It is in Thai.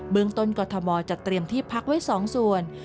เบื้องต้นกฐมอศ์จะเตรียมที่พักไว้สองส่วน